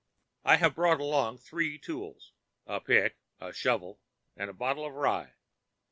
"I have brought along three tools—a pick, a shovel, and a bottle of rye.